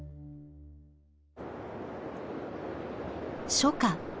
初夏。